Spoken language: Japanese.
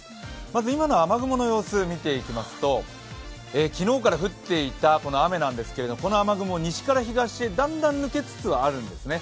まず今の雨雲の様子を見ていきますと昨日から降っていた雨なんですけどこの雨雲、西から東へだんだん抜けつつあるんですね。